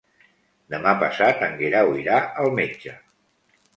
Demà passat en Guerau irà al metge.